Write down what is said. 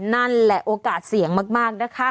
นั่นแหละโอกาสเสี่ยงมากนะคะ